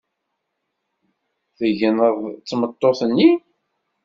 Tegneḍ d tmeṭṭut-nni?